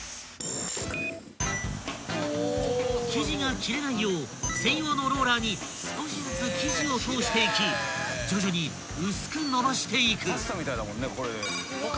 ［生地が切れないよう専用のローラーに少しずつ生地を通していき徐々に薄く延ばしていく］